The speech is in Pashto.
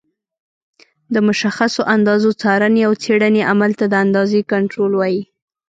د مشخصو اندازو څارنې او څېړنې عمل ته د اندازې کنټرول وایي.